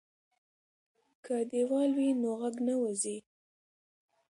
که دیوال وي نو غږ نه وځي.